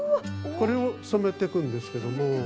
これを染めていくんですけども。